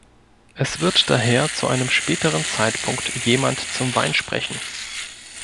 Es wird daher zu einem späteren Zeitpunkt jemand zum Wein sprechen.